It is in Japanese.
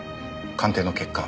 鑑定の結果